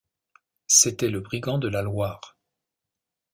C’était le brigand de la Loire.